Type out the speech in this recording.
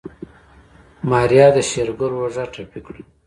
ماريا د شېرګل په اوږه ټپي کړه.